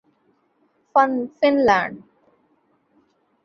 fun land